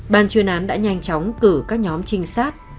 ban chuyên án đã nhanh chóng cử các nhóm trinh sát